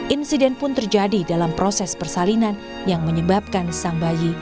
insiden pun terjadi dalam proses persalinan yang menyebabkan sang bayi